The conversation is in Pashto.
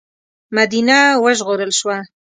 مدینه وژغورل شوه.